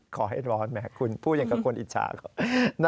ขอให้ร้อนแหมคุณพูดอย่างกับคนอิจฉาก่อน